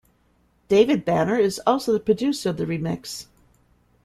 David Banner is also the producer of the remix.